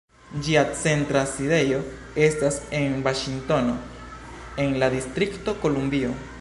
Ĝia centra sidejo estas en Vaŝingtono, en la Distrikto Kolumbio.